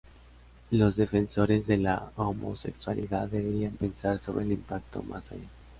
Los defensores de la homosexualidad deberían pensar sobre el impacto más allá.